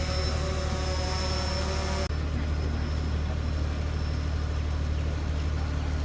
สวัสดีทุกคน